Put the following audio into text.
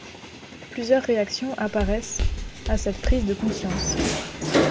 Plusieurs réactions apparaissent à cette prise de conscience.